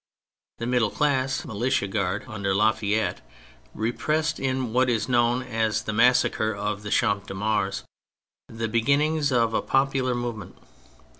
The middle class Militia Guard under La Fayette repressed, in what is known as the Massacre of the Champ de Mars, the beginnings of a popular movement.